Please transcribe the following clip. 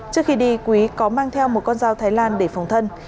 trước khi đi quý có mang theo một con dao thái lan để phòng thân